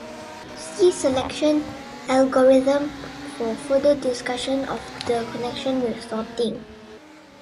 See selection algorithm for further discussion of the connection with sorting.